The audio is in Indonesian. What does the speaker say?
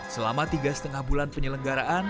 selama tiga lima bulan penyelenggaraan